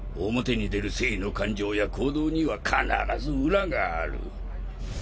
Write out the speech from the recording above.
表に出る正の感情や行動には必ず裏がある。